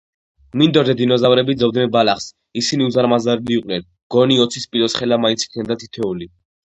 მინდორზე დინოზავრები ძოვდნენ ბალახს. ისინი უზარმაზარნი იყვნენ. მგონი, ოცი სპილოსხელა მაინც იქნებოდა თითოეული.